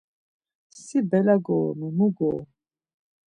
Si bela gorumi, mu gorum!